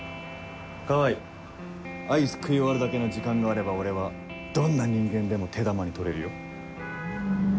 川合アイス食い終わるだけの時間があれば俺はどんな人間でも手玉に取れるよ。